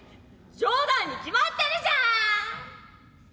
冗談に決まってるじゃん！」。